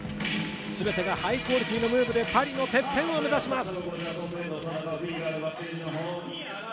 全てがハイクオリティーのムーブで、パリのてっぺんを目指します。